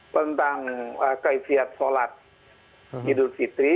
tentang kaifiat sholat idul fitri